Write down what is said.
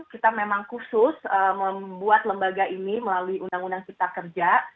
kita memang khusus membuat lembaga ini melalui undang undang cipta kerja